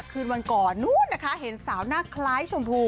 คืนวันก่อนนู้นนะคะเห็นสาวหน้าคล้ายชมพู